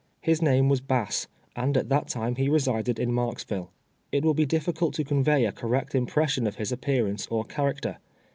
Ilis name was Bass, and at that time he resided in Marksville. It will be ditRcult to convey a correct impression of his ap pearance or character.